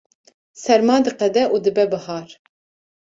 serma diqede û dibe bihar